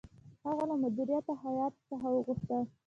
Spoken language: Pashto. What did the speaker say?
هغه له مدیره هیات څخه وغوښتل.